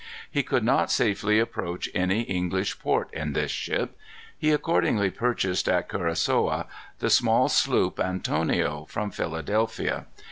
He could not safely approach any English port in this ship. He accordingly purchased at Curacoa the small sloop Antonio, from Philadelphia.